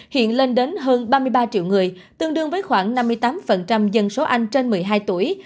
hiện lên đến hơn ba mươi ba triệu người tương đương với khoảng năm mươi tám dân số anh trên một mươi hai tuổi